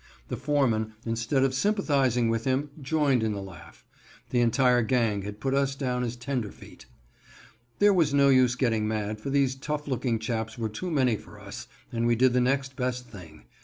The foreman, instead of sympathizing with him, joined in the laugh. (The entire gang had put us down as tenderfeet.) There was no use getting mad, for these tough looking chaps were too many for us, and we did the next best thing.